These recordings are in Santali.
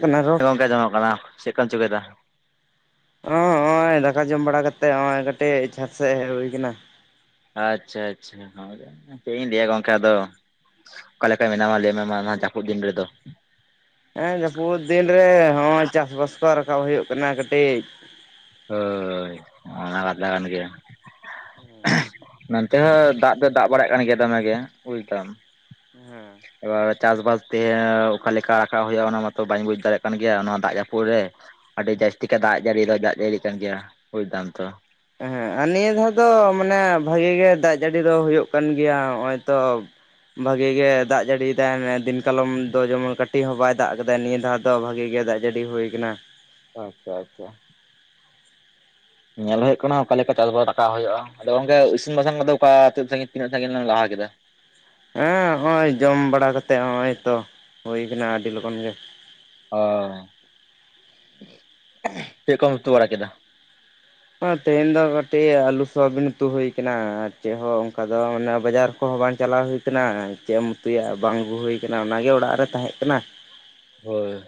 ᱠᱟᱱᱟ ᱨᱚᱲ ᱜᱚᱝᱠᱮ ᱟᱹᱡᱚᱱᱚᱜ ᱠᱟᱱᱟ ᱪᱮᱫᱠᱚᱢ ᱪᱤᱠᱟᱹᱫᱟ? ᱦᱚᱸᱜᱼᱚᱭ ᱫᱟᱠᱟ ᱡᱚᱢ ᱵᱟᱲᱟ ᱠᱟᱛᱮᱜ ᱱᱚᱜᱼᱚᱭ ᱠᱟᱹᱴᱤᱡ ᱪᱷᱟᱴ ᱥᱮᱫ ᱦᱮᱡ ᱦᱩᱭ ᱠᱟᱱᱟ᱾ ᱟᱪᱪᱷᱟ ᱟᱪᱪᱷᱟ ᱪᱮᱫ ᱤᱧ ᱞᱟᱹᱭᱟ ᱜᱚᱝᱠᱟ ᱫᱚ ᱚᱠᱟᱞᱮᱠᱟᱹ ᱢᱮᱱᱟ ᱢᱟ ᱞᱟᱹᱭ ᱢᱮ ᱡᱟᱹᱯᱤᱫ ᱫᱤᱱ ᱨᱮ ᱫᱚ? ᱦᱮᱸ ᱡᱟᱹᱯᱩᱫ ᱫᱤᱱ ᱨᱮ ᱦᱚᱸᱜᱚᱭ ᱪᱟᱥᱵᱟᱥ ᱠᱚ ᱨᱟᱠᱟᱵ ᱦᱩᱭᱩᱜ ᱠᱟᱱᱟ ᱠᱟᱹᱴᱤᱡ᱾ ᱦᱳᱭ, ᱚᱱᱟ ᱠᱟᱛᱷᱟ ᱜᱟᱱ ᱜᱮᱭᱟ᱾ ᱱᱚᱱᱛᱮ ᱦᱚᱸ ᱫᱟᱜ ᱫᱚ ᱫᱟᱜ ᱵᱟᱲᱟᱭᱟᱜ ᱠᱟᱱ ᱜᱮᱭᱟ ᱫᱚᱢᱮ ᱜᱮ ᱵᱩᱡᱫᱟᱢ᱾ ᱦᱮᱸ᱾ ᱮᱵᱟᱨ ᱪᱟᱥ ᱵᱟᱥ ᱛᱮ ᱚᱠᱟ ᱞᱮᱠᱟ ᱨᱟᱠᱟᱵ ᱦᱳᱭᱳᱜ-ᱟ ᱚᱱᱟ ᱢᱟᱛᱚ ᱵᱟᱹᱧ ᱵᱩᱡ ᱫᱟᱲᱮᱜ ᱠᱟᱱ ᱜᱮᱭᱟ ᱱᱚᱣᱟ ᱫᱟᱜ ᱡᱟᱹᱯᱩᱫ ᱨᱮ᱾ ᱟᱹᱰᱤ ᱡᱟᱹᱥᱛᱤ ᱠᱟᱭ ᱫᱟᱜ ᱡᱟᱹᱲᱤ ᱫᱚ ᱫᱟᱜ ᱡᱟᱹᱲᱤ ᱠᱟᱱ ᱜᱮᱭᱟ ᱵᱩᱡ ᱫᱟᱢ ᱛᱚ᱾ ᱦᱮᱸ ᱟᱨ ᱱᱤᱭᱟᱹ ᱫᱷᱟᱣ ᱫᱚ ᱢᱟᱱᱮ ᱵᱷᱟᱜᱤ ᱜᱮ ᱫᱟᱜ ᱡᱟᱹᱲᱤ ᱫᱚ ᱦᱳᱭᱳᱜ ᱠᱟᱱ ᱜᱮᱭᱟ ᱱᱚᱸᱜ-ᱚᱭ ᱛᱚ᱾ ᱵᱷᱟᱜᱤ ᱜᱮ ᱫᱟᱜ ᱡᱟᱹᱲᱤᱭ ᱮᱫᱟᱭ ᱫᱤᱱ ᱠᱟᱞᱚᱢ ᱫᱚ ᱡᱮᱢᱚᱱ ᱠᱟᱹᱴᱤᱡ ᱦᱚᱸ ᱵᱟᱭ ᱫᱟᱜ ᱠᱟᱫᱟ᱾ ᱱᱤᱭᱟᱹ ᱫᱷᱟᱣ ᱴᱟᱜ ᱵᱷᱟᱜᱤ ᱜᱮ ᱫᱟᱜ ᱡᱟᱹᱲᱤ ᱦᱩᱭ ᱠᱟᱱᱟ᱾ ᱟᱪᱪᱷᱟ, ᱟᱪᱪᱷᱟ᱾ ᱧᱮᱞ ᱦᱳᱭᱳᱜ ᱠᱟᱱᱟ ᱚᱠᱟ ᱞᱮᱠᱟ ᱪᱟᱥ ᱵᱟᱥ ᱨᱟᱠᱟᱵ ᱦᱳᱭᱳᱜ-ᱟ᱾ ᱟᱫᱚ ᱜᱚᱝᱠᱮ ᱤᱥᱤᱱ ᱵᱟᱥᱟᱝ ᱠᱚᱫᱚ ᱚᱠᱟ ᱛᱤᱱᱟᱹᱜ ᱥᱟᱸᱜᱤᱧ, ᱛᱤᱱᱟᱹᱜ ᱥᱟᱸᱜᱤᱧ ᱵᱤᱱ ᱞᱟᱦᱟ ᱠᱮᱫᱟ? ᱦᱮᱸ ᱦᱚᱸᱜ-ᱚᱭ ᱡᱚᱢ ᱵᱟᱲᱟ ᱠᱟᱛᱮ ᱦᱚᱜ-ᱚᱭ ᱛᱚ ᱦᱳᱭ ᱠᱟᱱᱟ ᱟᱹᱰᱤ ᱞᱚᱜᱚᱱ ᱜᱮ᱾ ᱚ ᱪᱮᱫ ᱠᱚᱢ ᱩᱛᱩ ᱵᱟᱲᱟ ᱠᱮᱫᱟ? ᱛᱮᱦᱮᱧ ᱫᱚ ᱠᱟᱹᱴᱤᱡ ᱟᱞᱩ ᱥᱚᱵᱤᱱ ᱩᱛᱩ ᱦᱳᱭ ᱠᱟᱱᱟ᱾ ᱟᱨ ᱪᱮᱫ ᱦᱚᱸ ᱚᱱᱠᱟ ᱫᱚ ᱢᱟᱱᱮ ᱵᱟᱡᱟᱨ ᱠᱚᱦᱚᱸ ᱵᱟᱝ ᱪᱟᱞᱟᱣ ᱦᱩᱭ ᱠᱟᱱᱟ ᱪᱮᱫ ᱮᱢ ᱩᱛᱩᱭᱟ ᱵᱟᱝ ᱟᱹᱜᱩ ᱦᱩᱭ ᱠᱟᱱᱟ ᱚᱱᱟ ᱜᱮ ᱚᱲᱟᱜ ᱨᱮ ᱛᱟᱦᱮᱸᱜ ᱠᱟᱱᱟ᱾ ᱦᱳᱭ᱾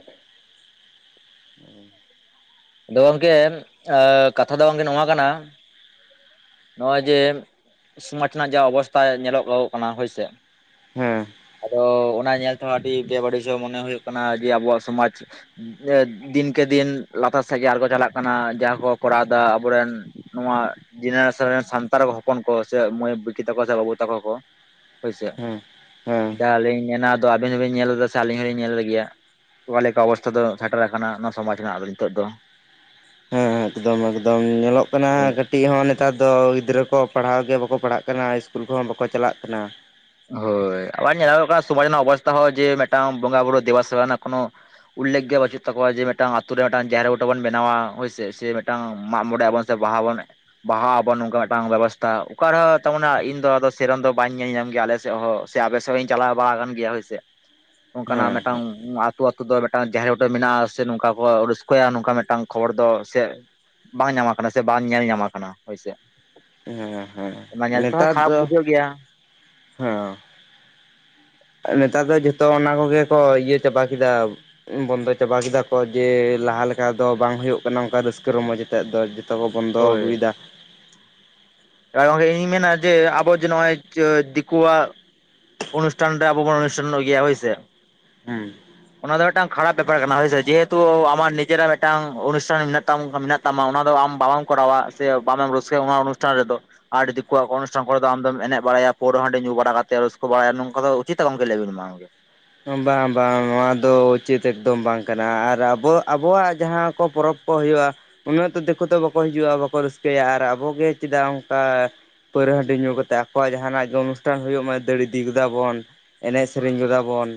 ᱦᱩᱸ᱾ ᱟᱫᱚ ᱜᱚᱝᱠᱮ ᱠᱟᱛᱷᱟ ᱫᱚ ᱜᱚᱝᱠᱮ ᱱᱚᱣᱟ ᱠᱟᱱᱟ᱾ ᱱᱚᱸᱜ-ᱚᱭ ᱡᱮ ᱥᱚᱢᱟᱡᱽ ᱨᱮᱱᱟᱜ ᱡᱟ ᱚᱵᱚᱥᱛᱟ ᱧᱮᱞᱚ ᱜᱚᱜ ᱠᱟᱱᱟ ᱦᱳᱭ ᱥᱮ᱾ ᱦᱮᱸ᱾ ᱛᱚ ᱚᱱᱟ ᱧᱮᱞ ᱛᱮᱦᱚᱸ ᱟᱹᱰᱤ ᱜᱮ ᱵᱮᱵᱟᱹᱲᱤᱡ ᱦᱚᱸ ᱢᱚᱱᱮ ᱦᱳᱭᱳᱜ ᱠᱟᱱᱟ ᱡᱮ ᱟᱵᱚᱣᱟᱜ ᱥᱚᱢᱟᱡᱽ ᱫᱤᱱᱠᱮ ᱫᱤᱱ ᱞᱟᱛᱟᱨ ᱥᱮᱫ ᱜᱮ ᱟᱲᱜᱳ ᱪᱟᱞᱟᱜ ᱠᱟᱱᱟ᱾ᱡᱟᱦᱟ ᱠᱚ ᱠᱚᱨᱟᱣ ᱫᱟ ᱟᱵᱚᱨᱮᱱ ᱱᱚᱣᱟ ᱡᱮᱱᱟ ᱥᱟᱱᱛᱟᱲ ᱦᱚᱯᱚᱱ ᱠᱚ ᱥᱮ ᱢᱟᱹᱭ ᱵᱤᱴᱤ ᱛᱟᱠᱚ ᱥᱮ ᱵᱟᱹᱵᱩ ᱛᱟᱠᱚ ᱠᱚ ᱦᱳᱭ ᱥᱮ᱾ ᱦᱮᱸ ᱦᱮᱸ ᱡᱟᱦᱟ ᱟᱹᱞᱤᱧ ᱢᱮᱱᱟ ᱟᱫᱚ ᱟᱵᱤᱱ ᱦᱚᱸᱵᱮᱱ ᱧᱮᱞ ᱫᱟ ᱥᱮ ᱟᱹᱞᱤᱧ ᱦᱚᱸ ᱞᱤᱧ ᱧᱮᱞ ᱮᱜ ᱜᱮᱭᱟ᱾ ᱚᱠᱟ ᱞᱮᱠᱟ ᱚᱵᱚᱥᱛᱷᱟ ᱫᱚ ᱥᱮᱴᱮᱨ ᱠᱟᱱᱟ ᱱᱚᱣᱟ ᱥᱚᱢᱟᱡᱽ ᱨᱮᱱᱟᱜ ᱫᱚ ᱱᱤᱛᱳᱜ ᱫᱚ᱾ ᱦᱮᱸ ᱮᱠᱫᱚᱢ ᱮᱠᱫᱚᱢ, ᱧᱮᱞᱚᱜ ᱠᱟᱱᱟ᱾ ᱠᱟᱹᱴᱤᱡ ᱦᱚᱸ ᱱᱮᱛᱟᱨ ᱫᱚ ᱜᱤᱫᱽᱨᱟᱹ ᱠᱚ ᱯᱟᱲᱦᱟᱣ ᱜᱮ ᱵᱟᱠᱚ ᱯᱟᱲᱦᱟᱜ ᱠᱟᱱᱟ ᱤᱥᱠᱩᱞ ᱠᱚᱦᱚᱸ ᱵᱟᱠᱚ ᱪᱟᱞᱟᱜ ᱠᱟᱱᱟ᱾ ᱦᱳᱭ᱾ ᱟᱵᱟᱨ ᱧᱮᱞᱚᱜ ᱠᱟᱱᱟ ᱥᱚᱢᱟᱡᱽ ᱨᱮᱱᱟᱜ ᱚᱵᱚᱥᱛᱷᱟ ᱦᱚᱸ ᱡᱮ ᱢᱤᱫᱴᱟᱝ ᱵᱚᱸᱜᱟ ᱵᱩᱨᱩ ᱫᱮᱵᱟ ᱥᱮᱵᱟ ᱨᱮᱱᱟᱜ ᱠᱳᱱᱳ ᱩᱞᱮᱠᱷ ᱜᱮ ᱵᱟᱹᱪᱩᱜ ᱛᱟᱠᱚᱣᱟ, ᱡᱮ ᱢᱤᱫᱴᱟᱝ ᱟᱛᱩ ᱨᱮ ᱢᱤᱫᱴᱟᱝ ᱡᱟᱦᱮᱨ ᱵᱩᱴᱟᱹ ᱵᱚᱱ ᱵᱮᱱᱟᱣᱟ ᱦᱳᱭ ᱥᱮ᱾ ᱥᱮ ᱢᱤᱫᱟᱝ ᱢᱟᱜ ᱢᱚᱸᱬᱮ ᱟᱵᱚᱱ᱾ ᱛᱮ ᱵᱟᱦᱟ ᱵᱚᱱ ᱵᱟᱦᱟ ᱟᱵᱚᱱ ᱱᱚᱝᱠᱟ ᱢᱤᱫᱴᱟᱝ ᱵᱮᱵᱚᱥᱛᱷᱟ ᱚᱠᱟ ᱨᱮᱦᱚᱸ ᱛᱮᱢᱚᱱ ᱱᱟᱜ ᱤᱧᱫᱚ ᱟᱫᱚ ᱥᱮᱨᱚᱢ ᱫᱚ ᱵᱟᱹᱧ ᱧᱮᱞ ᱧᱟᱢ ᱜᱮᱭᱟ ᱟᱞᱮ ᱥᱮ ᱚᱸᱦᱚᱜ ᱥᱮ ᱟᱯᱮ ᱥᱮᱫ ᱦᱚᱸᱧ ᱪᱟᱞᱟᱣ ᱵᱟᱲᱟ ᱠᱟᱱ ᱜᱮᱭᱟ ᱦᱳᱭ ᱥᱮ᱾ ᱚᱱᱠᱟ ᱱᱟᱜ ᱦᱮᱸ ᱢᱤᱫᱴᱟᱝ ᱟᱹᱛᱩ, ᱟᱹᱛᱩ ᱫᱚ ᱢᱤᱫᱴᱟᱝ ᱡᱟᱦᱮᱨ ᱵᱩᱴᱟᱹ ᱢᱮᱱᱟᱜᱼᱟ᱾ ᱥᱮ ᱱᱚᱝᱠᱟᱱ ᱠᱚ ᱚᱠᱚᱭ ᱟᱜ ᱱᱚᱝᱠᱟ ᱢᱤᱫᱴᱟᱝ ᱠᱷᱚᱵᱚᱨ ᱫᱚ ᱥᱮ ᱵᱟᱝ ᱧᱟᱢᱟ ᱠᱟᱱᱟ ᱥᱮ ᱵᱟᱝ ᱧᱮᱞ ᱧᱟᱢᱟ ᱟᱠᱟᱱᱟ ᱦᱳᱭ ᱥᱮ᱾ ᱦᱮᱸ, ᱦᱮᱸ ᱱᱮᱛᱟᱨ ᱫᱚ ᱵᱩᱡᱷᱟᱹᱜ ᱜᱮᱭᱟ ᱦᱮᱸ᱾ ᱱᱮᱛᱟᱨ ᱫᱚ ᱡᱚᱛᱚ ᱚᱱᱟ ᱠᱚᱜᱮ ᱠᱚ ᱤᱭᱟᱹ ᱪᱟᱵᱟ ᱠᱮᱫᱟ᱾ ᱵᱚᱱᱫᱚ ᱪᱟᱵᱟ ᱠᱮᱫᱟ ᱠᱚ, ᱡᱮ ᱞᱟᱦᱟ ᱞᱮᱠᱟ ᱫᱚ ᱵᱟᱝ ᱦᱳᱭᱳᱜ ᱠᱟᱱᱟ ᱚᱱᱠᱟ ᱨᱟᱹᱥᱠᱟᱹ ᱨᱚᱸᱢᱚᱡᱽ ᱟᱛᱮᱫ ᱫᱚ᱾ ᱡᱷᱚᱛᱚ ᱠᱚ ᱵᱚᱱᱫᱚ ᱟᱹᱜᱩᱭᱫᱟ᱾ ᱟᱨ ᱜᱚᱝᱠᱮ ᱤᱧ ᱢᱮᱱᱟ ᱡᱮ ᱟᱵᱚ ᱡᱮ ᱱᱚᱸᱜ-ᱚᱭ ᱫᱤᱠᱩᱣᱟᱜ ᱚᱱᱩᱥᱴᱷᱟᱱ ᱨᱮ ᱟᱵᱚ ᱵᱚᱱ ᱚᱱᱩᱥᱴᱷᱟᱱᱚᱜ ᱜᱮᱭᱟ ᱦᱳᱭ ᱥᱮ᱾ ᱦᱮᱸ᱾ ᱚᱱᱟ ᱫᱚ ᱢᱤᱫᱴᱟᱝ ᱠᱷᱟᱨᱟᱯ ᱵᱮᱯᱟᱨ ᱠᱟᱱᱟ ᱦᱳᱭᱥᱮ᱾ ᱡᱮᱦᱮᱛᱩ ᱟᱢᱟᱜ ᱱᱤᱡᱮᱨᱟᱜ ᱢᱤᱫᱴᱟᱝ ᱚᱱᱩᱥᱴᱷᱟᱱ ᱢᱮᱱᱟᱜ ᱛᱟᱢ ᱢᱮᱱᱟᱜ ᱛᱟᱢᱟ᱾ ᱚᱱᱟ ᱫᱚ ᱟᱢ ᱵᱟᱵᱟᱢ ᱠᱚᱨᱟᱣᱟ ᱥᱮ ᱵᱟᱢᱮᱢ ᱨᱟᱹᱥᱠᱟᱹᱭ-ᱟ ᱚᱱᱟ ᱚᱱᱩᱥᱴᱷᱟᱱ ᱨᱮᱫᱚ᱾ ᱟᱨ ᱫᱤᱠᱩᱣᱟᱜ ᱚᱱᱩᱥᱴᱷᱟᱱ ᱠᱚᱨᱮ ᱟᱢᱫᱚᱢ ᱮᱱᱮᱡ ᱵᱟᱲᱟᱭᱟ ᱯᱟᱹᱣᱨᱟᱹ, ᱦᱟᱸᱰᱤ ᱧᱩᱲᱟ ᱠᱟᱛᱮ ᱨᱟᱹᱥ ᱠᱟ ᱵᱟᱲᱟᱭᱟ ᱱᱚᱝᱠᱟ ᱫᱚ ᱩᱪᱤᱛᱟ ᱜᱚᱝᱠᱮ ᱞᱟᱹᱭ ᱵᱤᱱ ᱢᱟ ᱜᱚᱝᱠᱮ? ᱵᱟᱝ ᱵᱟᱝ ᱱᱚᱣᱟ ᱫᱚ ᱩᱪᱤᱛ ᱮᱠᱫᱚᱢ ᱵᱟᱝ ᱠᱟᱱᱟ᱾ ᱟᱨ ᱟᱵᱚ ᱟᱵᱚᱣᱟᱜ ᱡᱟᱦᱟ ᱠᱚ ᱯᱚᱨᱚᱵᱽ ᱠᱚ ᱦᱳᱭᱳᱜ-ᱟ, ᱩᱱᱟᱹᱜ ᱫᱚ ᱫᱤᱠᱩ ᱫᱚ ᱵᱟᱠᱚ ᱦᱤᱡᱩᱜ-ᱟ ᱵᱟᱠᱚ ᱨᱟᱹᱥᱠᱟᱹᱭ-ᱟ ᱟᱨ ᱟᱵᱚᱜᱮ ᱪᱮᱫᱟᱜ ᱚᱱᱠᱟ ᱯᱟᱹᱨᱟᱹ ᱦᱟᱺᱰᱤ ᱧᱩ ᱠᱟᱛᱮᱫ ᱟᱠᱚᱣᱟᱜ ᱡᱟᱦᱟᱱᱟᱜ ᱜᱮ ᱚᱱᱩᱥᱴᱷᱟᱱ ᱦᱩᱭᱩᱜ ᱢᱟ ᱫᱟᱲ ᱤᱫᱤ ᱜᱮᱫᱟ ᱵᱚᱱ ᱮᱱᱮᱡ ᱥᱮᱨᱮᱧ ᱜᱚᱫᱟ ᱵᱚᱱ,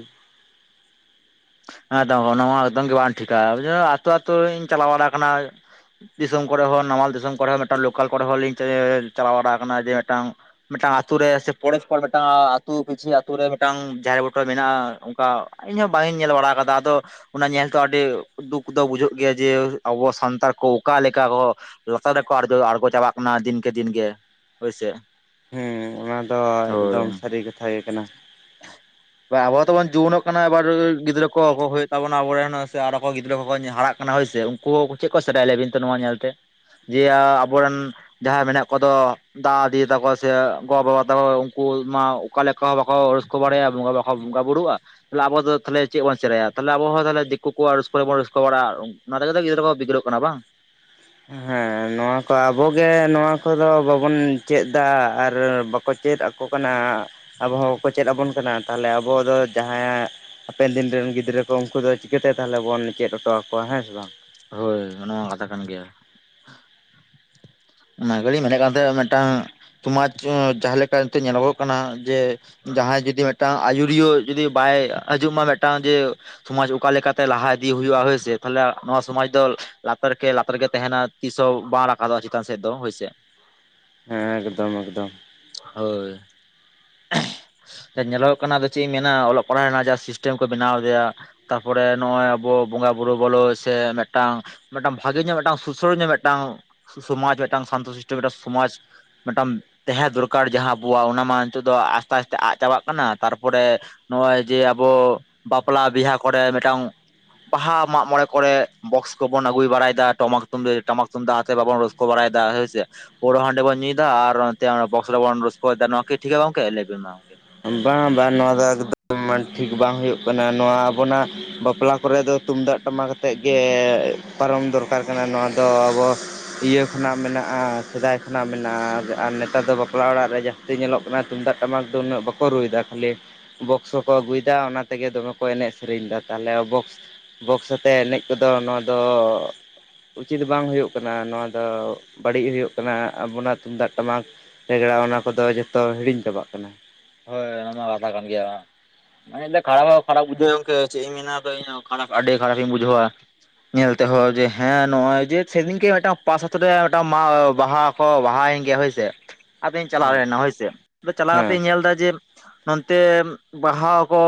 ᱟᱫᱟᱢ ᱚᱱᱟ ᱢᱟ ᱮᱠᱫᱚᱢ ᱜᱮ ᱵᱟᱝ ᱴᱷᱤᱠᱟ ᱟᱛᱳ ᱟᱛᱳ ᱤᱧ ᱪᱟᱞᱟᱣ ᱵᱟᱲᱟᱣ ᱠᱟᱱᱟ ᱫᱤᱥᱚᱢ ᱠᱚᱨᱮ ᱦᱚᱸ ᱱᱟᱢᱟᱞ ᱫᱤᱥᱚᱢ ᱠᱚᱨᱮ ᱦᱚᱸ ᱢᱤᱫᱴᱟᱝ ᱞᱳᱠᱟᱞ ᱠᱚᱨᱮ ᱦᱚᱸᱞᱤᱧ ᱪᱟᱞᱟᱣ ᱵᱟᱲᱟ ᱟᱠᱟᱱᱟ ᱡᱮ ᱢᱤᱫᱴᱟᱝ ᱢᱤᱫᱴᱟᱝ ᱟᱛᱩ ᱨᱮ ᱥᱮ ᱯᱚᱨᱮᱨ ᱯᱚᱨ ᱢᱤᱫᱴᱟᱝ ᱟᱛᱩ ᱯᱤᱪᱷᱤᱛ ᱨᱮ ᱢᱤᱫᱴᱟᱝ ᱡᱟᱦᱮᱨ ᱵᱩᱴᱟᱹ ᱢᱮᱱᱟᱜ-ᱟ ᱚᱱᱠᱟ ᱤᱧᱦᱚᱸ ᱵᱟᱝ ᱤᱧ ᱧᱮᱞ ᱵᱟᱲᱟ ᱠᱟᱫᱟ ᱟᱫᱚ ᱚᱱᱟ ᱧᱮᱞ ᱛᱮ ᱟᱹᱰᱤ ᱫᱩᱠ ᱫᱚ ᱵᱩᱡᱷᱟᱹᱜ ᱜᱮᱭᱟ ᱡᱮ ᱟᱵᱚ ᱥᱟᱱᱛᱟᱲ ᱠᱚ ᱚᱠᱟᱮ ᱞᱮᱠᱟ ᱠᱚ ᱞᱟᱛᱟᱨ ᱨᱮᱠᱚ ᱟᱨᱜᱚ ᱟᱨᱜᱚ ᱪᱟᱵᱟᱜ ᱠᱟᱱᱟ ᱫᱤᱱ ᱠᱮ ᱫᱤᱱ ᱜᱮ ᱦᱳᱭᱥᱮ᱾ ᱦᱮᱸ ᱚᱱᱟ ᱫᱚ ᱮᱠᱫᱚᱢ ᱦᱳᱭ ᱥᱟᱹᱨᱤ ᱠᱟᱛᱷᱟ ᱜᱮ ᱠᱟᱱᱟ᱾ [unintelligible] ᱟᱵᱚ ᱛᱟᱵᱚᱱ ᱡᱩᱣᱟᱹᱱᱚᱜ ᱠᱟᱱᱟ ᱮᱵᱟᱨ ᱜᱤᱫᱽᱨᱟᱹ ᱠᱚ ᱚᱵᱚ ᱢᱦᱩᱭᱩᱜ ᱛᱟᱵᱚᱱᱟ ᱟᱵᱚᱨᱮᱱ ᱥᱮ ᱟᱨᱚ ᱜᱤᱫᱽᱨᱟᱹ ᱠᱚᱠᱚ ᱧ ᱦᱟᱨᱟᱜ ᱠᱟᱱᱟ ᱦᱳᱭᱥᱮ ᱩᱱᱠᱩ ᱦᱚᱸ ᱪᱮᱫ ᱠᱚ ᱥᱮᱴᱟᱭ ᱞᱮᱭ ᱵᱮᱱ ᱥᱮ ᱱᱚᱣᱟ ᱧᱮᱞᱛᱮ ᱡᱮ ᱟ ᱟᱵᱚᱨᱮᱱ ᱡᱟᱦᱟᱸᱭ ᱢᱮᱱᱟᱜ ᱠᱚᱫᱚ ᱫᱟᱫᱟ ᱫᱤᱫᱤ ᱛᱟᱠᱚ ᱥᱮ ᱜᱚ ᱵᱟᱵᱟ ᱛᱟᱠᱚ ᱩᱱᱠᱩ ᱢᱟ ᱚᱠᱟ ᱞᱮᱠᱟ ᱦᱚᱸ ᱵᱟᱠᱚ ᱨᱟᱹᱥᱠᱟᱹ ᱵᱟᱲᱟᱭᱟ ᱵᱚᱸᱜᱟ ᱵᱟᱠᱚ ᱵᱚᱸᱜᱟ ᱵᱩᱨᱩᱜ-ᱟ ᱛᱟᱦᱞᱮ ᱟᱵᱚ ᱫᱚ ᱫᱚᱟᱦᱮ ᱪᱮᱫ ᱵᱚᱱ ᱥᱮᱠᱟᱭᱟ ᱛᱟᱦᱞᱮ ᱟᱵᱚ ᱦᱚᱸ ᱛᱟᱦᱚᱞᱮ ᱫᱤᱠᱩ ᱠᱚᱣᱟᱜ ᱨᱟᱹᱥᱠ ᱠᱚ ᱨᱮ ᱵᱚᱱ ᱨᱟᱹᱥᱠᱟᱹ ᱵᱟᱲᱟ-ᱟ ᱱᱚᱸᱰᱮ ᱫᱚ ᱜᱤᱫᱽᱨᱟᱹ ᱠᱚ ᱵᱷᱤᱽᱲᱚᱜ ᱠᱟᱱᱟ ᱵᱟᱝ ᱦᱮᱸ ᱱᱚᱣᱟ ᱠᱚ ᱟᱵᱚᱜᱮ ᱱᱚᱣᱟ ᱠᱚᱫᱚ ᱵᱟᱵᱚᱱ ᱪᱮᱫ ᱮᱫᱟ ᱟᱨ ᱵᱟᱠᱚ ᱪᱮᱫ ᱟᱠᱚ ᱠᱟᱱᱟ ᱟᱵᱚ ᱦᱚᱸᱠᱚ ᱪᱮᱫ ᱟᱵᱚᱱ ᱠᱟᱱᱟ ᱛᱟᱦᱚᱞᱮ ᱟᱵᱚ ᱫᱚ ᱡᱟᱦᱟᱸᱭᱟᱜ ᱦᱟᱯᱮᱱ ᱫᱤᱱ ᱜᱤᱫᱽᱨᱟᱹ ᱠᱚ ᱩᱱᱠᱩ ᱪᱤᱠᱟᱹᱛᱮ ᱛᱟᱦᱚᱞᱮ ᱵᱚᱱ ᱪᱮᱫ ᱦᱚᱴᱚ ᱟᱠᱚᱣᱟ ᱦᱮᱸ ᱥᱮ ᱵᱟᱝ? ᱦᱳᱭ ᱚᱱᱟ ᱠᱟᱛᱷᱟ ᱠᱟᱱ ᱜᱮᱭᱟ ᱚᱱᱟ ᱜᱟᱹᱲᱤᱡ ᱢᱮᱱᱮᱫ ᱠᱟᱱ ᱛᱟᱦᱮᱸᱱᱟ ᱢᱤᱫᱴᱟᱝ ᱥᱚᱢᱟᱡᱽ ᱡᱟᱦᱟᱸ ᱞᱮᱠᱟ ᱱᱤᱛᱚᱜ ᱧᱮᱞᱚᱜᱚᱜ ᱠᱟᱱᱟ ᱡᱮ ᱡᱟᱦᱟᱸᱭ ᱡᱩᱫᱤ ᱢᱤᱫᱴᱟᱝ ᱟᱹᱭᱩᱨᱤᱭᱟᱹ ᱡᱩᱫᱤ ᱵᱟᱭ ᱟᱡᱚᱢᱟ ᱢᱤᱫᱴᱟᱝ ᱡᱮ ᱥᱚᱢᱟᱡ ᱚᱠᱟ ᱞᱮᱠᱟᱛᱮ ᱞᱟᱦᱟ ᱤᱫᱤ ᱦᱩᱭᱩᱜ-ᱟ ᱦᱳᱭᱥᱮ ᱛᱟᱦᱚᱞᱮ ᱱᱚᱣᱟ ᱥᱚᱢᱟᱡ ᱫᱚ ᱞᱟᱛᱟᱨ ᱠᱮ ᱞᱟᱛᱟᱨ ᱜᱮ ᱛᱟᱦᱮᱱᱟ ᱛᱤᱥ ᱦᱚᱸ ᱵᱟᱝ ᱨᱟᱠᱟᱫᱚᱜ-ᱟ ᱪᱮᱛᱟᱱ ᱥᱮᱫ ᱫᱚ ᱦᱳᱭᱥᱮ ᱦᱮᱸ ᱮᱠᱫᱚᱢ ᱮᱠᱫᱚᱢ ᱦᱳᱭ ᱡᱟ ᱧᱮᱞᱚᱜ ᱠᱟᱱᱟ ᱟᱫᱚ ᱪᱮᱫ ᱤᱧ ᱢᱮᱱᱟ ᱚᱞᱚᱜ ᱯᱟᱲᱦᱟᱜ ᱨᱮᱱᱟᱜ ᱡᱟ ᱥᱤᱥᱴᱮᱢ ᱠᱚ ᱵᱮᱱᱟᱣ ᱞᱮᱜᱟ᱾ ᱛᱟᱯᱚᱨᱮ ᱱᱚᱜ ᱚᱚᱭ ᱟᱵᱚ ᱵᱚᱸᱜᱟ ᱵᱩᱨᱩ ᱵᱚᱞᱚ ᱥᱮ ᱢᱤᱫᱴᱟᱝ ᱢᱤᱫᱴᱟᱝ ᱵᱷᱟᱜᱮ ᱧᱚᱜ ᱢᱤᱫᱴᱟᱝ ᱥᱩᱥᱟᱹᱨ ᱧᱚᱜ ᱢᱤᱫᱴᱟᱝ ᱥᱚᱢᱟᱡᱽ ᱢᱤᱫᱴᱟᱝ ᱥᱟᱱᱛᱚ ᱥᱨᱤᱥᱴᱚ ᱢᱤᱫᱴᱟᱝ ᱥᱚᱢᱟᱡᱽ ᱢᱤᱫᱴᱟᱝ ᱛᱟᱦᱮᱸ ᱫᱚᱨᱠᱟᱨ ᱡᱟᱦᱟᱸ ᱟᱵᱚᱣᱟᱜ ᱚᱱᱟ ᱢᱟ ᱱᱤᱛᱚᱜ ᱫᱚ ᱟᱥᱛᱮ ᱟᱥᱛᱮ ᱟᱫ ᱪᱟᱵᱟᱜ ᱠᱟᱱᱟ ᱛᱟᱨᱯᱚᱨᱮ ᱱᱚᱜ-ᱚᱭ ᱡᱮ ᱟᱵᱚ ᱵᱟᱯᱞᱟ ᱵᱤᱦᱟᱹ ᱠᱚᱨᱮ ᱢᱤᱫᱴᱟᱝ ᱵᱟᱦᱟ ᱢᱟᱜᱽ ᱢᱚᱬᱮ ᱠᱚᱨᱮ ᱵᱚᱠᱥ ᱠᱚᱵᱚᱱ ᱟᱹᱜᱩᱭ ᱵᱟᱲᱟᱭᱮᱫᱟ ᱴᱟᱢᱟᱠ ᱛᱩᱢᱫᱟᱜ ᱴᱟᱢᱟᱠ ᱛᱩᱢᱫᱟᱜ ᱛᱮ ᱵᱟᱵᱚᱱ ᱨᱚᱥ ᱠᱚ ᱵᱟᱲᱟᱭ ᱫᱟ ᱥᱮ ᱦᱳᱭ ᱥᱮ ᱯᱳᱲᱳ ᱦᱟᱸᱰᱮ ᱵᱚᱱ ᱧᱩᱭᱮᱫᱟ ᱟᱨ ᱱᱚᱛᱮ ᱵᱚᱠᱥ ᱵᱚᱱ ᱨᱟᱹᱥᱠᱟᱹ ᱮᱫᱟ ᱴᱷᱤᱠᱠᱟ ᱜᱚᱝᱠᱮ ᱞᱮᱟᱹᱭᱵᱮᱱᱠ ᱢᱟ? ᱵᱟᱝ ᱵᱟᱝ ᱱᱚᱣᱟ ᱫᱚ ᱮᱠᱫᱚᱢ ᱴᱷᱤᱠ ᱵᱟᱝ ᱦᱩᱭᱩᱜ ᱠᱟᱱᱟ ᱱᱚᱣᱟ ᱟᱵᱚᱱᱟᱜ ᱵᱟᱯᱞᱟ ᱠᱚᱨᱮ ᱫᱚ ᱛᱩᱢᱫᱟᱜ ᱴᱟᱢᱟᱠ ᱟᱛᱮᱫ ᱜᱮ ᱯᱟᱨᱚᱢ ᱫᱚᱨᱠᱟᱨ ᱠᱟᱱᱟ ᱱᱚᱣᱟ ᱫᱚ ᱟᱵᱚ ᱤᱭᱟᱹ ᱠᱷᱚᱱᱟᱜ ᱢᱮᱱᱟᱜ-ᱟ ᱥᱮᱫᱟᱭ ᱠᱷᱢᱮᱱᱟᱜᱼᱟ ᱟᱨ ᱱᱮᱛᱟᱨ ᱫᱚ ᱵᱟᱯᱞᱟ ᱚᱲᱟᱜ ᱨᱮ ᱡᱟᱹᱥᱛᱤ ᱧᱮᱞᱚᱜ ᱠᱟᱱᱟ ᱛᱩᱢᱫᱟᱜ ᱴᱟᱢᱟᱠ ᱫᱚ ᱩᱱᱟᱹᱜ ᱵᱟ ᱠᱚ ᱨᱩᱭᱮᱫᱟ ᱠᱷᱟᱹᱞᱤ ᱵᱚᱠᱥᱚ ᱠᱚ ᱟᱹᱜᱩᱭᱮᱫᱟ ᱚᱱᱟ ᱛᱮᱜᱮ ᱫᱚᱢᱮ ᱠᱚ ᱮᱱᱮᱡ ᱥᱮᱨᱮᱧ ᱮᱫᱟ ᱛᱟᱦᱚᱞᱮ ᱟᱵᱚ ᱵᱚᱠᱥ ᱟᱛᱮᱫ ᱮᱱᱮᱡ ᱠᱚᱫᱚ ᱱᱚᱣᱟ ᱫᱚ ᱩᱪᱤᱛ ᱵᱟᱝ ᱦᱩᱭᱩᱜ ᱠᱟᱱᱟ ᱱᱚᱣᱟ ᱫᱚ ᱵᱟᱹᱲᱤᱡ ᱦᱩᱭᱩᱜ ᱠᱟᱱᱟ ᱟᱵᱚᱱᱟᱜ ᱛᱩᱢᱫᱟᱜ ᱴᱟᱢᱟᱠ ᱨᱮᱜᱽᱲᱟ ᱚᱱᱟ ᱠᱚᱫᱚ ᱡᱚᱛᱚ ᱦᱤᱲᱤᱧ ᱪᱟᱵᱟᱜ ᱠᱟᱱᱟ ᱦᱳᱭ ᱚᱱᱟᱢᱟ ᱠᱟᱛᱷᱟ ᱠᱟᱱ ᱜᱮᱭᱟ ᱢᱟᱱᱮ ᱠᱷᱟᱨᱟᱯ ᱦᱚ ᱠᱷᱟᱨᱟᱯ ᱵᱩᱡᱷᱟᱹ ᱜᱟ ᱪᱮᱫ ᱤᱧ ᱢᱮᱱᱟᱧ ᱟᱫᱚ ᱤᱧ ᱦᱚ ᱠᱷᱟᱨᱟᱯ ᱟᱹᱰᱤ ᱠᱷᱟᱨᱟᱯᱤᱧ ᱵᱩᱡᱷᱟᱹᱣᱟ ᱧᱮᱞ ᱛᱮᱦᱚᱸ ᱡᱮ ᱦᱮᱸ ᱱᱚᱜ ᱚᱚᱭ ᱡᱮ ᱥᱮᱫᱤᱱ ᱠᱮ ᱢᱤᱫᱴᱟᱝ ᱯᱟᱥ ᱟᱹᱛᱩ ᱨᱮ ᱢᱤᱫᱟᱝ ᱢᱟ ᱵᱟᱦᱟ ᱵᱟᱦᱟᱭᱮᱱ ᱜᱮᱭᱟ ᱦᱳᱭᱥᱮ ᱟᱫᱚᱧ ᱪᱟᱞᱟᱣ ᱦᱮᱸ ᱞᱮᱱᱟ ᱦᱚᱭᱥᱮ ᱟᱫᱚ ᱪᱟᱞᱟᱣ ᱦᱮᱸ ᱠᱟᱛᱮᱧ ᱧᱮᱞ ᱮᱫᱟ ᱡᱮ ᱱᱚᱱᱛᱮ ᱵᱟᱦᱟ ᱠᱚ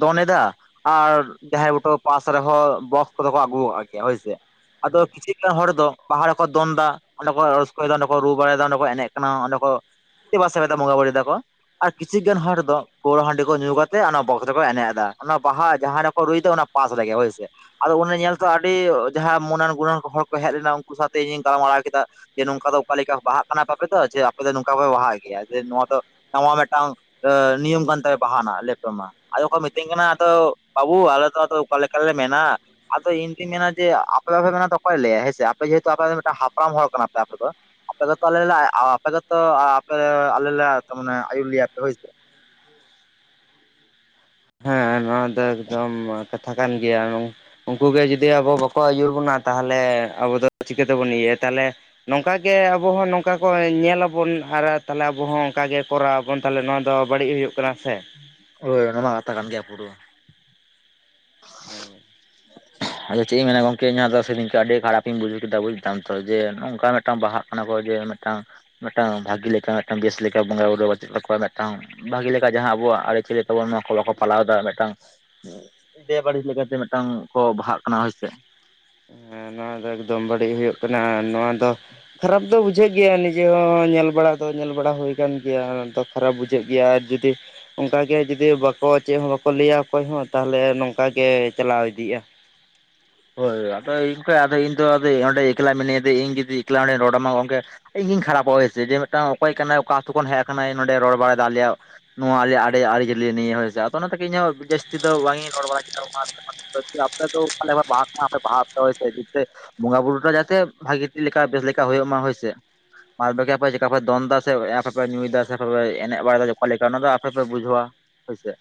ᱫᱚᱱ ᱮᱫᱟ᱾ ᱟᱨ ᱡᱟᱦᱮᱨ ᱵᱩᱴᱟᱹ ᱯᱟᱥ ᱨᱮᱦᱚᱸ ᱵᱚᱠᱥ ᱠᱚᱫᱚ ᱠᱚ ᱟᱹᱜᱩ ᱠᱟᱜ ᱠᱮᱭᱟ ᱦᱳᱭᱥᱮ᱾ ᱟᱫᱚ ᱠᱤᱪᱷᱷᱤ ᱜᱟᱱ ᱦᱚᱲ ᱫᱚ ᱵᱟᱦᱟ ᱨᱮᱠᱚ ᱫᱚᱱᱫᱟ᱾ ᱚᱸᱰᱮ ᱠᱚ ᱨᱟᱹᱥᱟᱹᱭᱮᱫᱟ ᱚᱸᱰᱮ ᱠᱚ ᱨᱩ ᱵᱟᱲᱟᱭᱮᱫᱟ ᱚᱸᱰᱮ ᱠᱚ ᱮᱱᱮᱡ ᱠᱟᱱᱟ ᱚᱸᱰᱮ ᱠᱚ ᱪᱮ ᱵᱟᱥᱵᱮᱫᱟ ᱵᱚᱸᱜᱟ ᱵᱩᱨᱤᱭᱮᱫᱟ ᱠᱚ᱾ ᱠᱤᱪᱷᱩ ᱜᱟᱱ ᱦᱚᱲ ᱫᱚ ᱯᱟᱹᱣᱲᱟᱟᱹ ᱦᱟᱺᱰᱤ ᱠᱚ ᱧᱩ ᱠᱟᱛᱮᱫ ᱚᱱᱟ ᱵᱚᱠᱥ ᱨᱮᱠᱚ ᱮᱱᱮᱡ ᱮᱫᱟ ᱵᱟᱦᱟ ᱡᱟᱦᱟᱸ ᱨᱮᱠᱚ ᱨᱩᱭ ᱮᱟ ᱚᱱᱟ ᱯᱟᱥ ᱨᱮᱜᱮ ᱦᱳᱭ ᱥᱮ᱾ ᱟᱫᱚ ᱚᱱᱟ ᱧᱮᱞᱛᱮ ᱟᱹᱰᱤ ᱡᱟᱦᱟᱸᱭ ᱢᱱᱟᱱ ᱜᱩᱱᱟᱹᱱ ᱦᱚᱲ ᱠᱚ ᱦᱮᱡ ᱞᱮᱱᱟ ᱩᱱᱠᱩ ᱥᱟᱶᱛᱮ ᱤᱧᱤᱧ ᱜᱟᱞᱢᱟᱨᱟᱣ ᱠᱮᱫᱟ᱾ ᱡᱮ ᱱᱚᱝᱠᱟ ᱫᱚ ᱚᱠᱟ ᱞᱮᱠᱟ ᱵᱟᱦᱟᱜ ᱠᱟᱱᱟᱯᱮ ᱫᱚ ᱡᱮ ᱟᱯᱮ ᱫᱚ ᱱᱚᱝᱠᱟᱯᱮ ᱵᱟᱦᱟᱜ ᱜᱮᱭᱟ ᱡᱮ ᱱᱚᱣᱟ ᱫᱚ ᱱᱟᱣᱟ ᱢᱤᱫ ᱢᱤᱫᱴᱟᱝ ᱱᱤᱭᱚᱢ ᱠᱟᱱ ᱛᱟᱭᱟ ᱵᱟᱦᱟᱱᱟᱜ ᱞᱮᱯᱴᱚᱯ ᱢᱟ᱾ ᱟᱫᱚ ᱠᱚ ᱢᱤᱛᱟᱹᱧ ᱠᱟᱱᱟ ᱟᱫᱚ ᱵᱟᱹᱵᱩ ᱟᱞᱮ ᱫᱚ ᱟᱫᱚ ᱚᱠᱟᱞᱮᱠᱟᱞᱮ ᱢᱮᱱᱟ᱾ ᱟᱫᱚ ᱤᱧ ᱫᱩᱧ ᱢᱮᱱᱟ ᱡᱮ ᱟᱯᱮ ᱵᱟᱯᱮ ᱢᱮ ᱛ ᱚᱠᱚᱭ ᱞᱭᱟ ᱦᱮᱸ ᱥᱮ ᱟᱮᱦᱮᱛᱩ ᱟᱯᱮ ᱢᱤᱫᱴ ᱦᱟᱯᱲᱟᱢ ᱦᱚᱲ ᱠᱟᱱᱟᱯᱮ ᱟᱯᱮ ᱫᱚ᱾ ᱟᱯᱮᱛᱚ ᱟᱯᱮᱛᱚᱯᱮ ᱞᱮᱟᱨᱟᱱᱮ ᱟᱭᱩᱨᱤᱭᱟᱹ᱾ ᱦᱳᱭ ᱥᱮ᱾ ᱦᱮᱸ ᱱᱚᱣᱟ ᱫᱚ ᱮᱠᱫᱚᱢ ᱠᱟᱛᱷᱟ ᱠᱟᱱ ᱜᱮᱭᱟ᱾ ᱩᱱᱠᱩ ᱜᱮ ᱡᱩᱫᱤ ᱟᱵᱚ ᱵᱟᱠᱚ ᱟᱹᱭᱩᱨ ᱵᱚᱱᱟ ᱛᱟᱦᱚᱞᱮ ᱟᱵᱚ ᱫᱚ ᱪᱤᱠᱟᱹ ᱛᱮᱵᱚᱱ ᱤᱭᱟᱹᱭᱟ ᱛᱟᱦᱚᱞᱮ ᱱᱚᱝᱠᱟ ᱜᱮ ᱟᱵᱚᱦᱚᱸ ᱱᱚᱝᱠᱟ ᱠᱚ ᱧᱮᱞᱟᱵᱚᱱ ᱟᱨ ᱛᱟᱦᱚᱞᱮ ᱟᱵᱚᱦ ᱦᱚᱸ ᱚᱱᱠᱟᱜᱮ ᱠᱚᱨᱟᱣ ᱵᱚᱱ ᱛᱟᱦᱚᱞᱮ ᱱᱚᱣᱟ ᱫᱚ ᱵᱟᱹᱲᱤᱡ ᱦᱩᱭᱩᱜ ᱠᱟᱱᱟ ᱥᱮ᱾ ᱳᱚᱭ ᱚᱱᱟ ᱢᱟ ᱟᱛᱟ ᱠᱟᱱ ᱜᱮᱭᱟ ᱯᱩᱨᱟ᱾ ᱦᱳᱭ᱾ ᱟᱫᱚ ᱪᱮᱫ ᱤᱧ ᱢᱮᱱᱟ ᱜᱚᱝᱠᱮ ᱤᱧᱟ ᱫᱚ ᱥᱨᱮ ᱟᱹᱰᱤ ᱠᱷᱟᱨᱟᱯᱤᱧ ᱵᱩᱡᱣ ᱠᱮᱫᱟ ᱵᱩᱡ ᱫᱟᱢ ᱛᱚ ᱡᱮ ᱱᱚᱝᱠᱟ ᱢᱤᱫᱴᱟᱝ ᱵᱟᱦᱟᱜ ᱠᱟᱱᱟ ᱠᱚ ᱡᱮ ᱢᱤᱫᱴᱟᱝ ᱡᱮ ᱢᱤᱫᱴᱟᱝ ᱵᱷᱟᱜᱤ ᱞᱮᱠᱟ ᱢᱤᱫᱴᱟᱝ ᱵᱮᱥ ᱞᱮᱠᱟ ᱵᱚᱸᱜᱟ ᱵᱩᱨᱩ ᱪᱮᱫ ᱚᱠᱚᱣᱟ ᱢᱤᱫᱴᱟᱝ ᱵᱷᱟᱹᱜᱤ ᱞᱮᱠᱟ ᱡᱟᱦᱟᱸ ᱟᱵᱚᱣᱟᱜ ᱟᱹᱨᱤᱪᱟᱞᱤ ᱛᱟᱵᱚᱱ ᱱᱚᱣᱟ ᱠᱚ ᱵᱟᱠᱚ ᱯᱟᱞᱟᱣ ᱮᱫᱟ ᱢᱤᱫᱴᱟᱝ ᱵᱮᱵᱟᱹᱲᱤᱡ ᱞᱮᱠᱟᱛᱮ ᱢᱤᱫᱴᱟᱝ ᱠᱚ ᱵᱟᱦᱟᱜ ᱠᱟᱱᱟ ᱦᱳᱭᱥᱮ᱾ ᱦᱮᱸ ᱱᱚᱣᱟ ᱫᱚ ᱮᱠᱫᱚᱢ ᱵᱟᱹᱲᱤᱡ ᱦᱩᱭᱩᱜ ᱠᱟᱱᱟ ᱟᱨ ᱱᱚᱣᱟ ᱫᱚ ᱠᱷᱟᱨᱟᱯ ᱫᱚ ᱵᱩᱡᱷᱟᱹᱜ ᱜᱮᱭᱟ ᱱᱤᱡᱮ ᱦᱚᱸ ᱧᱮᱞ ᱵᱟᱲᱟ ᱫᱚ ᱧᱮᱞ ᱵᱟᱲᱟ ᱦᱩᱭ ᱠᱟᱱ ᱜᱮᱭᱟ ᱫᱚ᱾ ᱠᱷᱟᱨᱟᱯ ᱵᱩᱡᱷᱟᱹᱜ ᱜᱮᱭᱟ ᱟᱨ ᱡᱩᱫᱤ ᱚᱱᱠᱟᱜᱮ ᱡᱩᱫᱤ ᱵᱟᱠᱚ ᱪᱮᱫ ᱦᱚᱸ ᱵᱟᱠᱚ ᱞᱟᱹᱭᱟ ᱚᱠᱚᱭ ᱦᱚᱸ ᱛᱟᱦᱚᱞᱮ ᱱᱚᱝᱠᱟᱜᱮ ᱪᱟᱞᱟᱣ ᱤᱫᱤᱜᱼᱟ᱾ ᱦᱳᱭ ᱟᱫᱚ ᱤᱱᱠᱚ ᱤᱧ ᱚᱸᱰᱮ ᱮᱠᱞᱟ ᱢᱤᱱᱟᱹᱧᱟ ᱟᱫᱚ ᱤᱧ ᱡᱩᱫᱤ ᱮᱠᱞᱟ ᱚᱸᱰᱮᱧ ᱨᱚᱲ ᱟᱢᱟ ᱜᱚᱝᱠᱮ ᱤᱧ ᱜᱤᱧ ᱠᱷᱟᱨᱟᱯᱚᱟ ᱦᱳᱭᱥᱮ ᱡᱮ ᱢᱤᱫᱴ ᱚᱠᱚᱭ ᱠᱟᱱᱟᱭ ᱚᱠᱟᱛᱳ ᱠᱷᱚᱱ ᱦᱮᱡ ᱟᱠᱟᱱᱟᱭ ᱱᱚᱸᱰᱮ ᱨᱚᱲ ᱵᱟᱲᱟᱭᱮᱫ ᱟᱞᱮᱭᱟᱜ ᱱᱚᱣᱟ ᱟᱞᱭᱟ ᱟᱲᱮ ᱟᱹᱨᱤᱪᱟᱹᱞᱤ ᱱᱤᱭᱟᱹ ᱟᱫᱚ ᱚᱱᱟ ᱛᱮᱜᱮ ᱤᱧᱦᱚᱸ ᱡᱟᱹᱥᱛᱤ ᱫᱚ ᱵᱟᱝᱤᱧ ᱨᱚᱲ ᱵᱟᱲᱟ ᱠᱮᱫᱟ [unintelligible] [unintelligible] ᱟᱯᱮ ᱵᱟᱹᱦᱟ ᱟᱯᱮ ᱦᱚᱭᱥᱮ ᱡᱮᱛᱮ ᱵᱚᱸᱜᱟ ᱵᱩᱨᱩ ᱴᱟ ᱡᱟᱛᱮ ᱵᱷᱟᱜᱤ ᱞᱮᱠᱟ ᱵᱮᱥ ᱞᱮᱠᱟ ᱦᱩᱭᱩᱜ ᱢᱟ ᱦᱚᱭᱥᱮ ᱥᱮ᱾ ᱵᱟᱨᱵᱟᱠᱤ ᱟᱯᱮ ᱪᱮᱠᱟ ᱯᱮ ᱫᱚᱱ ᱮᱫᱟ ᱥᱮ ᱟᱯᱮᱯᱮ ᱧᱩᱭᱮᱫᱟ ᱥᱮ ᱯᱮ ᱮᱱᱮᱡ ᱵᱟᱲᱟᱭᱮᱫᱟ ᱚᱠᱟ ᱞᱮᱠᱟ ᱚᱱᱟᱫᱚ ᱟᱯᱮᱯᱮ ᱵᱩᱡᱷᱟᱹᱣᱟ᱾ ᱦᱚᱭᱥᱮ᱾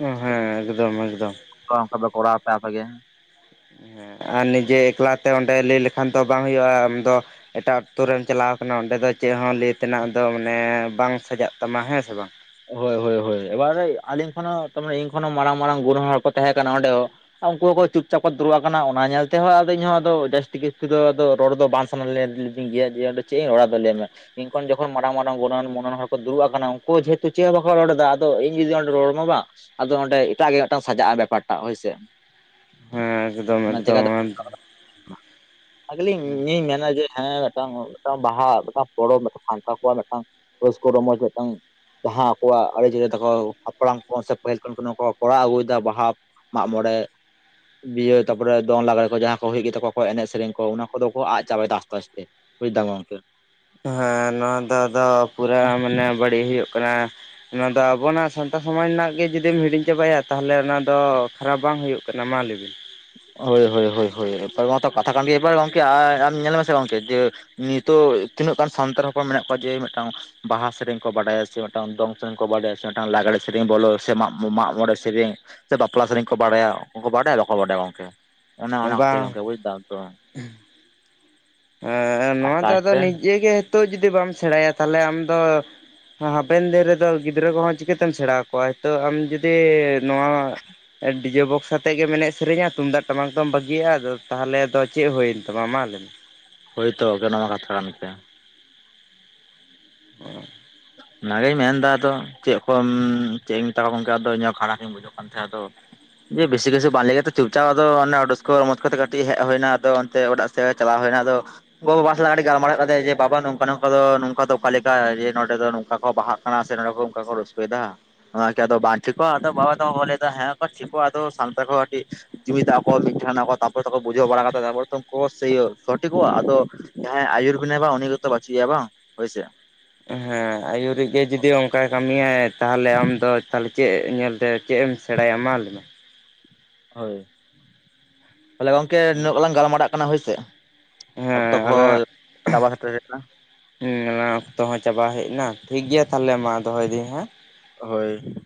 ᱦᱮᱸ ᱦᱮᱸ ᱮᱠᱫᱚᱢ ᱮᱠᱫᱚᱢ᱾ ᱱᱚᱝᱠᱟ ᱯᱮ ᱠᱚᱨᱟᱭᱟ ᱟᱯᱮ ᱟᱯᱮ ᱜᱮ᱾ ᱟᱨ ᱱᱤᱡᱮ ᱮᱠᱞᱟᱛᱮ ᱚᱸᱰᱮ ᱞᱟᱹᱭ ᱞᱮᱠᱷᱟᱱ ᱫᱚ ᱵᱟᱝ ᱦᱩᱭᱩᱜᱼᱟ ᱟᱢᱫᱚ ᱮᱴᱟᱜ ᱟᱛᱳ ᱨᱮᱢ ᱪᱟᱞᱟᱣ ᱠᱟᱱᱟ ᱚᱸᱰᱮ ᱫᱚ ᱪᱮᱫ ᱦᱚᱸ ᱞᱟᱹᱭ ᱛᱮᱱᱟᱜ ᱫᱚ ᱢᱟᱱᱮ ᱵᱟᱝ ᱥᱟᱡᱟᱜ ᱛᱟᱢᱟ ᱦᱮᱸ ᱥᱮ ᱵᱟᱝ᱾ ᱦᱳᱭ ᱦᱳᱭ ᱦᱳᱭ ᱮᱵᱟᱨᱮ ᱟᱹᱞᱤᱧ ᱠᱷᱚᱱ ᱦᱚ ᱤᱧ ᱠᱷᱚᱱ ᱦᱚᱸ ᱢᱟᱨᱟᱝ ᱢᱟᱨᱟᱝ ᱜᱩᱱᱦ ᱦᱚᱲ ᱠᱚ ᱛᱟᱦᱮᱸ ᱠᱟᱱᱟ ᱚᱸᱰᱮ ᱦᱚᱸ᱾ ᱩᱱᱠᱩ ᱦᱚᱸᱠᱚ ᱪᱩᱯᱪᱟᱯ ᱫᱩᱲᱩᱵ ᱟᱠᱟᱱᱟ ᱚᱱᱟ ᱧᱮᱞ ᱛᱮᱦ ᱟᱫᱚ ᱤᱧ ᱦᱚᱸ ᱡᱟᱹᱥᱛᱤ ᱡᱟᱹᱥᱛᱤ ᱫᱚ ᱨᱚᱲ ᱫᱚ ᱵᱟᱝ [unintelligible] ᱪᱮᱫ ᱤᱧ ᱨᱚᱲᱟ ᱟᱫᱚ ᱞᱮᱭ ᱢᱮ ᱤᱧᱠᱷᱚᱱ ᱡᱚᱠᱷᱚᱱ ᱢᱟᱨᱟᱝ ᱜᱩᱱ ᱟᱱ ᱢᱚᱱ ᱟᱱ ᱦᱚᱲ ᱠᱚ ᱫᱩᱲᱩᱵ ᱟᱠᱟᱱᱟ ᱩᱱᱠᱩ ᱡᱷᱮ ᱛᱚ ᱪᱮᱫ ᱦᱚ ᱵᱟᱠᱷ ᱨᱚᱲ ᱮᱫᱟ ᱟᱫᱚ ᱤᱧ ᱡᱩᱫᱤ ᱚᱱᱰᱮ ᱨᱚᱲ ᱢᱮ ᱵᱟ ᱟᱫᱚ ᱚᱸᱰᱮ ᱮᱴᱟᱜ ᱜᱮ ᱢᱤᱫᱴᱟᱝ ᱥᱟᱡᱟᱜᱼᱟ ᱵᱮᱯᱟᱨ ᱴᱟᱜ ᱦᱳᱭᱥᱮ᱾ ᱮᱠᱫᱚᱢ ᱮᱠᱫᱚᱢ ᱟᱜᱞᱤᱧ ᱤᱧ ᱢᱮᱱᱟ ᱡᱮ ᱦᱮᱸ ᱢᱮᱫᱴᱟᱝ ᱢᱮᱫᱴᱟᱝ ᱵᱟᱦᱟ ᱢᱮᱫᱴᱟᱝ ᱯᱚᱨᱚᱵᱽ ᱢᱤᱫᱴᱟᱝ ᱥᱟᱱᱛᱟᱲ ᱠᱚᱣᱟᱜ ᱢᱤᱫᱴᱟᱝ ᱨᱟᱹᱥᱠᱟᱹ ᱨᱚᱢᱚᱡ ᱢᱤᱫᱴᱟᱝ ᱵᱟᱦᱟᱸ ᱟᱠᱚᱣᱟᱜ ᱟᱨᱤ ᱪᱟᱹᱞᱤ ᱛᱟᱠᱚ ᱦᱟᱯᱲᱟᱢ ᱠᱚ ᱥᱮ ᱯᱟᱹᱦᱤᱞ ᱠᱷᱚᱱ ᱠᱚ ᱱᱚᱣᱟ ᱠᱚᱨᱟᱣ ᱟᱹᱜᱩᱭᱮᱫᱟ ᱵᱟᱦᱟ, ᱢᱟᱜ ᱢᱚᱬᱮ᱾ ᱵᱤᱭᱟᱹ ᱛᱟᱯᱚᱨᱮ ᱫᱚᱝ ᱞᱟᱜᱽᱲᱮ ᱠᱚ ᱡᱟᱦᱟᱸ ᱠᱚ ᱦᱩᱭ ᱜᱮᱛᱚ ᱠᱚ ᱮᱱᱮᱡ ᱥᱮᱨᱮᱧ ᱠᱚ ᱚᱱᱟ ᱠᱚᱫᱚ ᱠᱚ ᱟᱫ ᱪᱟᱵᱟᱭᱮᱫᱟ ᱟᱥᱛᱮ ᱟᱥᱛᱮ᱾ ᱵᱩᱡ ᱫᱟᱢ ᱜᱚᱢᱠᱮ᱾ ᱦᱮᱸ ᱱᱚᱣᱟ ᱫᱚ ᱟᱫᱚ ᱯᱩᱨᱟᱹ ᱢᱟᱱᱮ ᱵᱟᱹᱲᱤᱡ ᱦᱩᱭᱩᱜ ᱠᱟᱱᱟ᱾ ᱱᱚᱭᱟ ᱫᱚ ᱟᱵᱚᱱᱟᱜ ᱥᱟᱱᱛᱟᱲ ᱥᱚᱢᱟᱡᱽ ᱨᱮᱱᱟᱜ ᱜᱮ ᱡᱩᱫᱤᱢ ᱦᱤᱲᱤᱧ ᱪᱟᱵᱟᱭᱟ ᱛᱟᱦᱚᱞᱮ ᱚᱱᱟ ᱫᱚ ᱠᱷᱟᱨᱟᱯ ᱵᱟᱝ ᱦᱩᱭᱩᱜ ᱠᱟᱱᱟ᱾ ᱠᱟᱱᱟ ᱢᱟ ᱞᱮᱭᱵᱤᱱ? ᱦᱳᱭ ᱦᱳᱭ ᱦᱳᱭ ᱮᱵᱟᱨ ᱢᱟᱛᱚ ᱠᱟᱛᱷᱟ ᱠᱟᱱ ᱜᱤᱭᱟ ᱮᱵᱟᱨ ᱜᱚᱢᱠᱮ ᱟᱭ ᱟᱢ ᱧᱮᱞᱢᱥᱮ ᱜᱚᱢᱠᱮ ᱡᱮ, ᱱᱤᱛᱚᱜ ᱛᱤᱱᱟᱹᱜ ᱜᱟᱱ ᱥᱟᱱᱛᱟᱲ ᱦᱚᱯᱚᱱ ᱢᱮᱱᱟᱜ ᱠᱚᱣᱟ ᱡᱮ ᱢᱮᱫᱴᱟᱝ, ᱵᱟᱦᱟ ᱥᱮᱨᱮᱧ ᱵᱟᱰᱟᱭᱟ ᱥᱮ ᱢᱤᱫᱴᱟᱝ ᱫᱚᱝ ᱥᱮᱨᱮᱧ ᱠᱚ ᱵᱟᱰᱟᱭᱟ ᱥᱮ ᱢᱤᱫᱟᱝ ᱞᱟᱜᱽᱲᱮ ᱥᱮᱨᱮᱧ ᱵᱚᱞᱚ ᱥᱮ ᱢᱟᱜᱢᱚᱬᱮ ᱥᱮᱨᱮᱧ, ᱥᱮ ᱵᱟᱯᱞᱟ ᱥᱮᱨᱮᱧ ᱠᱚ ᱵᱟᱰᱟᱭᱟ ᱩᱱᱠᱚ ᱵᱟᱰᱟᱭᱟ ᱵᱟᱠᱚ ᱵᱟᱰᱟᱭᱟ ᱜᱚᱝᱠᱮ᱾ ᱚᱱᱮ ᱚᱱᱟᱮ ᱠᱟᱛᱤᱨ ᱵᱟᱝ ᱜᱚᱝᱠᱮ ᱵᱩᱡ ᱫᱟᱢ ᱛᱚ, [unintelligible] ᱮ ᱱᱚᱣᱟ ᱟᱥᱛᱮ ᱫᱚ ᱟᱫᱚ ᱟᱥᱛᱮ ᱱᱤᱡᱮ ᱜᱮ ᱱᱤᱛᱚᱜ ᱡᱩᱫᱤ ᱵᱟᱢ ᱥᱮᱬᱟᱭᱟ ᱛᱟᱦᱞᱮ ᱟᱢ ᱫᱚ, ᱦᱟᱯᱮᱱ ᱫᱤᱱ ᱨᱮᱫᱚ ᱜᱤᱫᱽᱨᱟᱹ ᱠᱚᱦᱚᱸ ᱪᱤᱠᱟᱹᱛᱮᱢ ᱥᱮᱬᱟ ᱠᱚᱣᱟ ᱦᱚᱭᱛᱚ ᱟᱢ ᱡᱩ ᱫᱤ ᱱᱚᱣᱟ ᱰᱤᱡᱮ ᱵᱚᱠᱥ ᱟ ᱟᱛᱮᱫ ᱜᱮᱢ ᱮᱱᱮᱡ ᱥᱮᱨᱮᱧᱟ ᱛᱩᱢᱫᱟᱜ ᱴᱟᱢᱟᱠ ᱫᱚᱢ ᱵᱟᱹᱜᱤᱭᱟᱜᱼᱟ ᱟᱫᱚ ᱛᱟᱦᱟᱞᱮ ᱫᱚ ᱪᱮᱫ ᱦᱩᱭᱮᱱ ᱛᱟᱢᱟ ᱢᱟ ᱞᱮᱭ ᱢᱮ? ᱦᱳᱭ ᱛᱚ ᱜᱮ ᱱᱚᱣᱟ ᱠᱟᱛᱷᱟ ᱠᱟᱱ ᱛᱮ ᱦᱚ ᱚᱱᱟᱜᱤᱧ ᱢᱮᱱ ᱮᱫᱟ ᱟᱫᱚ, ᱪᱮᱫ ᱠᱚᱢ- ᱪᱮᱫ ᱤᱧ ᱢᱮᱛᱟᱢᱟ ᱜᱚᱢᱠᱮ ᱟᱫᱚ ᱤᱧ ᱦᱚᱸ ᱠᱷᱟᱨᱟᱯᱤᱧ ᱵᱡᱷᱟᱹᱣ ᱫᱚᱠᱟᱱ ᱪᱷᱟᱲᱟ ᱫᱚ ᱡᱮ ᱵᱮᱥᱤ ᱵᱮᱥᱤ ᱵᱟᱝ ᱞᱮᱭ ᱠᱟᱛᱮ ᱪᱩᱯᱪᱟᱯ ᱟᱫᱚ ᱚᱱᱮ ᱚᱰᱥᱠᱟᱹ ᱨᱚᱢᱚᱡᱽ ᱠᱚᱛᱮ ᱠᱟᱹᱴᱤᱡ ᱦᱮᱡ ᱦᱳᱭᱮᱱᱟ ᱟᱫᱚ ᱚᱱᱛᱮ ᱚᱰᱟᱜ ᱥᱮᱫ ᱜᱮ ᱪᱟᱞᱟᱣ ᱦᱩᱭᱱᱟ ᱟᱫᱚ ᱜᱚ ᱵᱟᱵᱟ ᱥᱟᱞᱟᱜ ᱠᱟ. ᱴᱤᱡ ᱜᱟᱞᱢᱟᱨᱟᱣ ᱦᱩᱭᱩᱜᱠᱟᱱ ᱛᱟᱸᱦᱮᱱᱟ ᱡᱮ ᱯᱟᱯᱟ ᱱᱚᱝᱠᱟ ᱱᱚᱝᱠᱟ ᱫᱚ ᱱᱚᱝᱠᱟ ᱫᱚ ᱚᱠᱟ ᱞᱮᱠᱟᱮ ᱡᱮ ᱱᱚ ᱱᱚᱸᱰᱮ ᱫᱚ ᱱᱚᱝᱠᱟ ᱠᱚ ᱵᱟᱦᱟᱜ ᱠᱟᱱᱟ ᱥᱮ ᱱᱚᱸᱰᱮ ᱠᱚ ᱚᱱᱠᱟ ᱠᱚ ᱨᱟᱹᱥᱠᱟᱹᱭᱮᱫᱟ᱾ ᱱᱚᱣᱟ ᱠᱤ ᱟᱫᱚ ᱵᱟᱝ ᱴᱷᱤᱠᱚᱜᱼᱟ? ᱟᱫᱚ ᱵᱟᱵᱟ ᱛᱟᱠᱚ ᱞᱮᱭᱫᱟ ᱦᱮᱸ ᱴᱷᱤᱠᱚᱜ ᱟᱫᱚ ᱥᱟᱱᱛᱟᱲ ᱠᱚ ᱠᱟᱹᱴᱤᱡ ᱡᱩᱢᱤᱫᱟ ᱠᱚ ᱢᱤᱫᱴᱷᱮᱱᱚᱜᱼᱟ ᱠᱚ ᱛᱟᱯᱚᱨ ᱛᱚᱠᱚ ᱵᱩᱡᱷᱟᱹᱣ ᱵᱟᱲᱟ ᱠᱟᱛᱮ ᱛᱟᱯᱚᱨ ᱛᱚ ᱩᱱᱠᱩ ᱠᱚ ᱥᱚᱴᱷᱤᱠᱚᱜᱼᱟ ᱟᱫᱚ ᱡᱟᱦᱟᱸᱨ ᱟᱹᱭᱩᱨ ᱵᱤᱱᱟᱭ ᱵᱟ ᱩᱱᱤ ᱜᱮᱛᱚ ᱵᱟᱪᱩᱭᱮᱭᱟ ᱵᱟᱝ ᱦᱳᱭᱥᱮ? ᱦᱮᱸ ᱟᱹᱭᱩᱨᱤᱡ ᱜᱮ ᱡᱩᱫᱤ ᱚᱱᱠᱟᱭ ᱠᱟᱹᱢᱤᱭᱟᱭ ᱛᱟᱦᱟᱞᱮ ᱟᱢ ᱫᱚ ᱛᱟᱦᱚᱞᱮ ᱪᱮᱫ ᱧᱮᱞᱛᱮ ᱪᱮᱫ ᱮᱢ ᱥᱮᱬᱟᱭᱟ ᱢᱟ ᱞᱮᱭ ᱢᱮ? ᱦᱳᱭ, ᱛᱟᱦᱟᱞᱮ ᱜᱚᱝᱠᱮ ᱱᱤᱱᱟᱹᱜ ᱜᱮᱞᱟᱝ ᱜᱟᱞᱢᱟᱨᱟᱜ ᱠᱟᱱᱟ ᱦᱳᱭ ᱥᱮ? ᱚᱠᱛᱚ ᱦᱮᱸ ᱠᱚᱦᱚᱸ ᱪᱟᱵᱟ ᱥᱮᱴᱮᱨ ᱦᱮᱜᱱᱟ ᱦᱮᱸ ᱚᱱᱟ ᱚᱠᱛᱚ ᱦᱚᱸ ᱪᱟᱵᱟ ᱦᱮᱡ ᱮᱱᱟ ᱴᱷᱤᱠ ᱜᱮᱭᱟ ᱛᱟᱦᱟᱞᱮ ᱢᱟ ᱫᱚᱦᱚᱭᱮᱫᱟᱹᱧ ᱦᱮᱸ ᱦᱳᱭ᱾